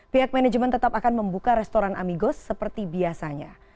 pihak manajemen tetap akan membuka restoran amigos seperti biasanya